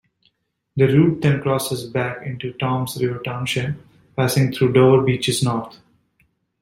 The route then crosses back into Toms River Township, passing through Dover Beaches North.